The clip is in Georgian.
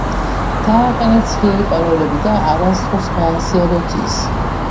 დაყენეთ ძლიერი პაროლები და არასდროს გაზიაროთ ის